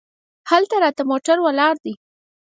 هلته راته موټر ولاړ دی.